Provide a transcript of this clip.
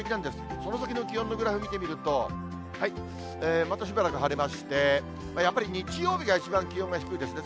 その先の気温のグラフ、見てみると、またしばらく晴れまして、やっぱり日曜日が一番気温が低いですね。